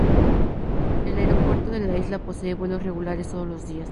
El aeropuerto de la isla posee vuelos regulares todos los días.